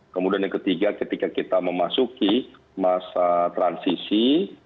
kemudian yang ketiga ketika kita memasuki masa transisi